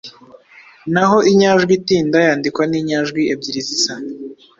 Naho inyajwi itinda, yandikwa n’inyajwi ebyiri zisa,